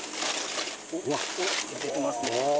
おっ焼けてますね